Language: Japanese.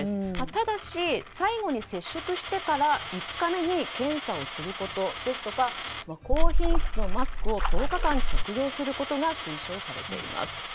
ただ最後に接触してから５日目に検査をすることですとか高品質のマスクを１０日間着用することなどが推奨されています。